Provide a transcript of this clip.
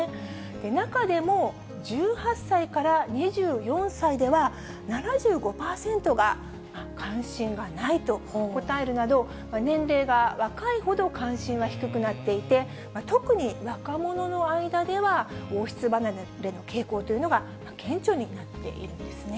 中でも１８歳から２４歳では、７５％が関心がないと答えるなど、年齢が若いほど関心は低くなっていて、特に若者の間では、王室離れの傾向というのが顕著になっているんですね。